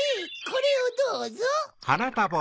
これをどうぞ。